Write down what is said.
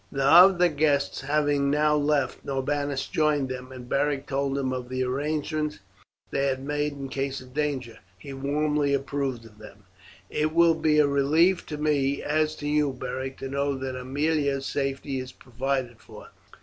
The other guests having now left, Norbanus joined them, and Beric told him of the arrangements they had made in case of danger. He warmly approved of them. "It will be a relief to me as to you, Beric, to know that Aemilia's safety is provided for.